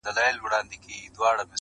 ځای پر ځای به وي ولاړ سر به یې ښوري -